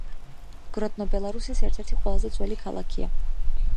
გროდნო ბელარუსის ერთ-ერთი ყველაზე ძველი ქალაქია.